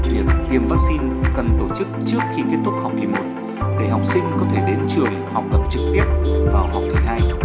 việc tiêm vắc xin cần tổ chức trước khi kết thúc học thứ một để học sinh có thể đến trường học tập trực tiếp vào học thứ hai